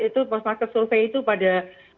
itu post market survey itu pada